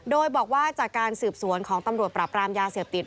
โดยบอกว่าจากการสืบสวนของตำรวจปราบรามยาเสพติด